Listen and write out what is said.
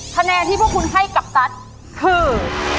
คะแนนที่พวกคุณให้กับตั๊ดคือ